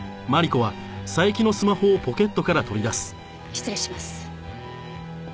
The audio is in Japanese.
失礼します。